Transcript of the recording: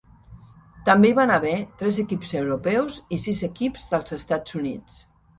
També hi van haver tres equips europeus i sis equips dels Estats Units.